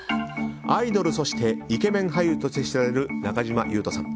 アイドル、そしてイケメン俳優として知られる中島裕翔さん。